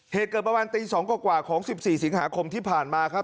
เหตุเกิดประมาณตี๒กว่าของ๑๔สิงหาคมที่ผ่านมาครับ